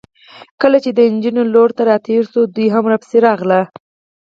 کله چې د نجونو لور ته راتېر شوو، دوی هم راپسې راغلل.